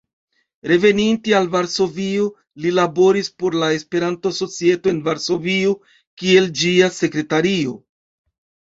Reveninte al Varsovio, li laboris por la Esperanto-Societo en Varsovio kiel ĝia sekretario.